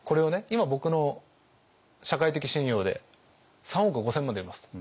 今僕の社会的信用で３億５，０００万で売りますと。